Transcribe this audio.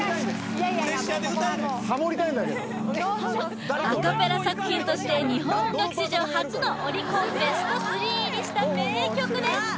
いやいやここはもうアカペラ作品として日本音楽史上初のオリコンベスト３にした名曲です